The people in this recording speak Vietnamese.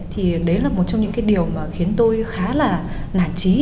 thì đấy là một trong những cái điều mà khiến tôi khá là nản trí